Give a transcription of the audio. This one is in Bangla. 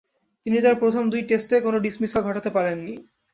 তিনি তার প্রথম দুই টেস্টে কোন ডিসমিসাল ঘটাতে পারেননি।